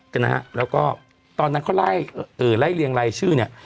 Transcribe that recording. นะฮะแล้วก็ตอนนั้นเขาไล่เอ่อไล่เรียงรายชื่อเนี่ย